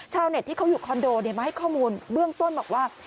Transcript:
ชาวเน็ตที่เขาอยู่คอนโดมาให้ข้อมูลเบื้องต้นบอกว่า